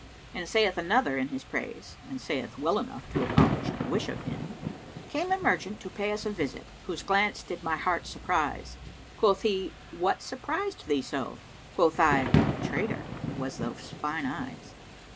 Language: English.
'" And saith another in his praise and saith well enough to accomplish the wish of him, "Came a merchant to pay us a visit * Whose glance did my heart surprise: Quoth he, 'What surprised thee so?' * Quoth I, 'Trader, 'twas those fine eyes.'"